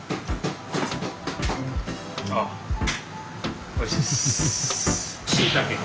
あっおいしいです。